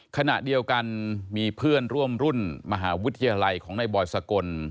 ขณะเดียวกันมีเพื่อนร่วมรุ่นมหาวิทยาลัยของในบอยสกล